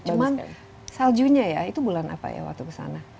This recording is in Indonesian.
cuman saljunya ya itu bulan apa ya waktu kesana